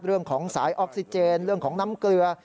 เรื่องของสายออกซิเจนเรื่องของน้ำเกลือ